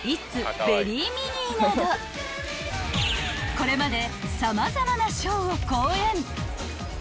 ［これまで］